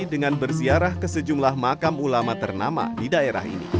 dengan berziarah ke sejumlah makam ulama ternama di daerah ini